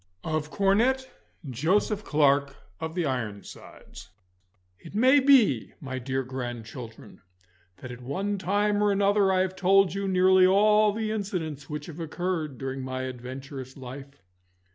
Of Cornet Joseph Clarke of the Ironsides It may be, my dear grandchildren, that at one time or another I have told you nearly all the incidents which have occurred during my adventurous life.